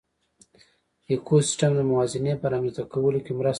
ایکوسېسټم د موازنې په رامنځ ته کولو کې مرسته وکړه.